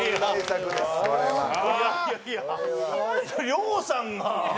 亮さんが。